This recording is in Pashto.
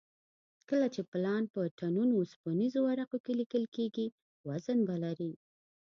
کله چې پلان په ټنونو اوسپنیزو ورقو کې لیکل کېږي وزن به لري